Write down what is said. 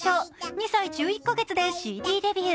２歳１１カ月でＣＤデビュー。